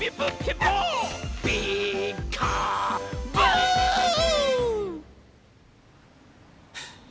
「ピーカーブ！」はあ。